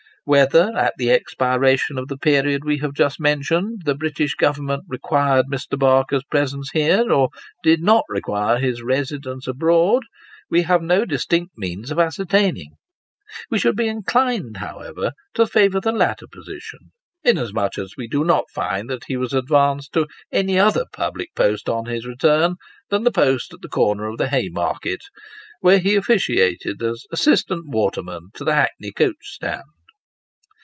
Whether, at the expiration of the period we have just mentioned, the British Government required Mr. Barker's presence here, or did not require his residence abroad, we have no distinct means of ascer taining. We should be inclined, however, to favour the latter position, inasmuch as we do not find that he was advanced to any other public post on his return, than the post at the corner of the Haymarket, where he officiated as assistant waterman to the hackney coach stand.